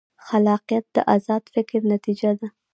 خلاقیت د ازاد فکر نتیجه ده.